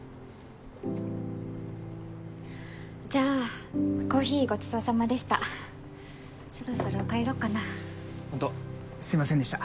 じゃあコーヒーごちそうさまでしたそろそろ帰ろっかなホントすいませんでした